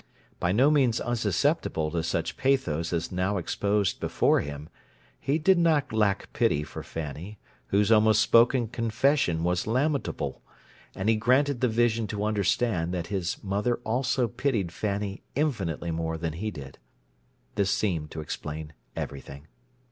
By no means unsusceptible to such pathos as that now exposed before him, he did not lack pity for Fanny, whose almost spoken confession was lamentable; and he was granted the vision to understand that his mother also pitied Fanny infinitely more than he did. This seemed to explain everything.